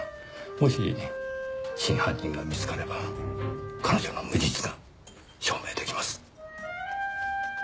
もし真犯人が見つかれば彼女の無実が証明出来ます。